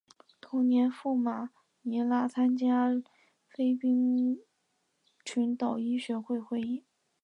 同年赴马尼拉参加菲律宾群岛医学会会议。